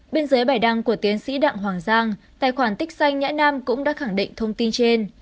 bên dưới bài đăng của tiến sĩ đặng hoàng giang tài khoản tích xanh nhãi nam cũng đã khẳng định thông tin trên